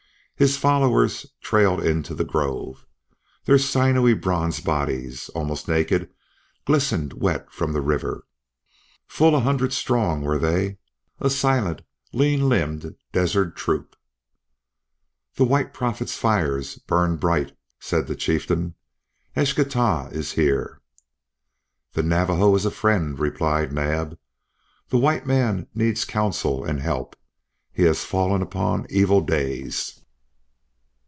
His followers trailed into the grove. Their sinewy bronze bodies, almost naked, glistened wet from the river. Full a hundred strong were they, a silent, lean limbed desert troop. "The White Prophet's fires burned bright," said the chieftain. "Eschtah is here." "The Navajo is a friend," replied Naab. "The white man needs counsel and help. He has fallen upon evil days."